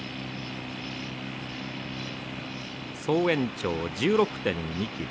総延長１６．２キロ。